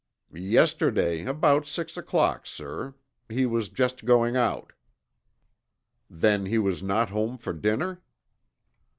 "Yesterday about six o'clock, sir. He was just going out." "Then he was not home for dinner?"